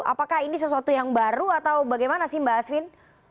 apakah ini sesuatu yang baru atau bagaimana sih mbak asvin